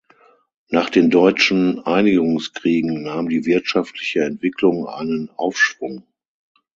Nach den deutschen Einigungskriegen nahm die wirtschaftliche Entwicklung einen Aufschwung.